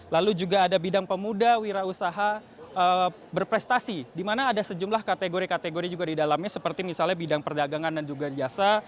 lalu juga ada bidang pemuda wira usaha berprestasi di mana ada sejumlah kategori kategori juga di dalamnya seperti misalnya bidang perdagangan dan juga jasa